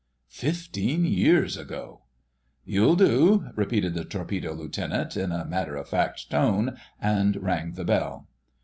Fifteen years ago...! "You'll do," repeated the Torpedo Lieutenant in a matter of fact tone, and rang the bell.